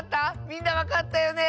みんなわかったよね？